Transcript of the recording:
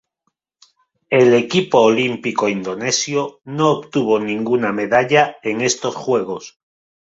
El equipo olímpico indonesio no obtuvo ninguna medalla en estos Juegos.